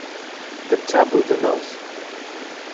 The chap with the nose?